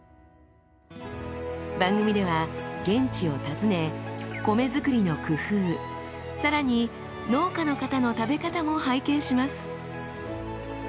番組では現地を訪ね米作りの工夫更に農家の方の食べ方も拝見します。